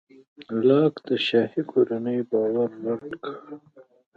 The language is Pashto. لاک د شاهي کورنیو باور رد کړ.